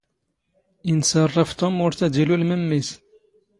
ⵉⵏⵚⴰⵕⵕⴰⴼ ⵜⵓⵎ ⵓⵔ ⵜⴰ ⴷ ⵉⵍⵓⵍ ⵎⴻⵎⵎⵉⵙ.